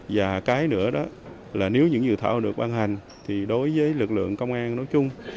và cái nữa là nếu những dự án luật được ban hành thì đối với lực lượng công an nối chung